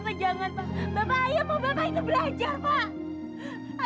bapak jangan pak bapak ayah mau bapak itu belajar pak